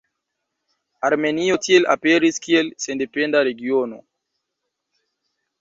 Armenio tiel aperis kiel sendependa regiono.